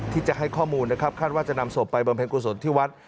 ที่จะให้ข้อมูลนะครับคาดว่าจะนำศพไปบำเพ็ญกุศลที่วัด